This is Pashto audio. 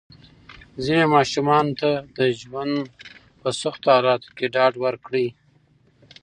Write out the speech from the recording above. خپلو ماشومانو ته د ژوند په سختو حالاتو کې ډاډ ورکړئ.